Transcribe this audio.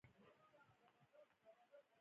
ذهن د نړۍ د جوړونې وسیله ده.